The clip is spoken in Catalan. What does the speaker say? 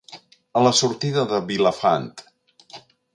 A la sortida de Vilafant.